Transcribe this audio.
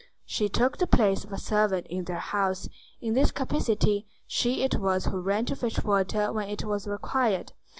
She took the place of a servant in their house. In this capacity she it was who ran to fetch water when it was required.